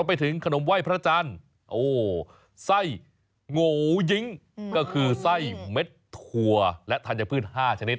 รวมไปถึงขนมไหว้พระท่าจารย์โอ้ไส้โง่ยิ้งก็คือไส้เม็ดถั่วและทันอย่างพืชห้าชนิด